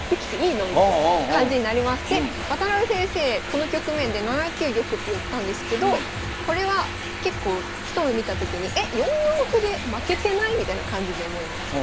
この局面で７九玉って寄ったんですけどこれは結構一目見た時にえっ４四歩で負けてない？みたいな感じに思います。